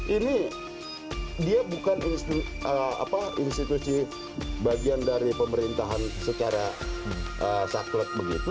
ini dia bukan institusi bagian dari pemerintahan secara saklek begitu